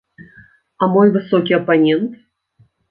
А мой высокі апанент?